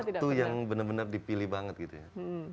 waktu yang benar benar dipilih banget gitu ya